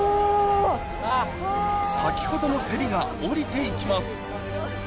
先ほどのせりが下りて行きます